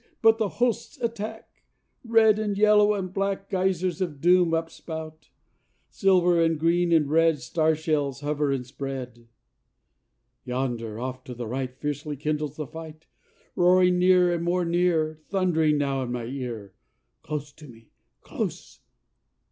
but the hosts attack. Red and yellow and black Geysers of doom upspout. Silver and green and red Star shells hover and spread. Yonder off to the right Fiercely kindles the fight; Roaring near and more near, Thundering now in my ear; Close to me, close